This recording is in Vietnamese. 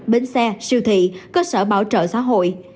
bến xe siêu thị cơ sở bảo trợ xã hội